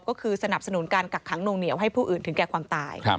ก็คือสนับสนุนการกักขังนวงเหนียวให้ผู้อื่นถึงแก่ความตาย